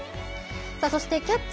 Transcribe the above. そして「キャッチ！